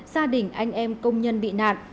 gia đình anh em công nhân bị nạn